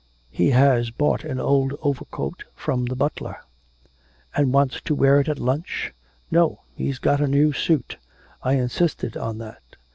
'He has bought an old overcoat from the butler.' 'And wants to wear it at lunch?' 'No; he's got a new suit. I insisted on that.